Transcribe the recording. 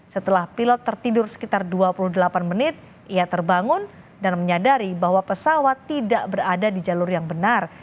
setelah pilot tertidur sekitar dua puluh delapan menit ia terbangun dan menyadari bahwa pesawat tidak berada di jalur yang benar